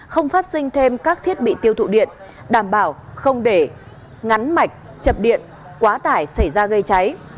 không phát sinh thêm các thiết bị tiêu thụ điện đảm bảo không để ngắn mạch chập điện quá tải xảy ra gây cháy